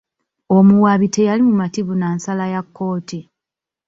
Omuwaabi teyali mumativu na nsala ya kkooti.